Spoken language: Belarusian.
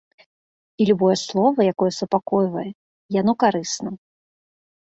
І любое слова, якое супакойвае, яно карысна.